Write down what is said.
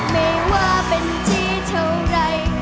ไม่ว่าเป็นที่เท่าไร